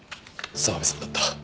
澤部さんだった。